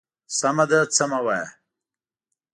_سمه ده، څه مه وايه.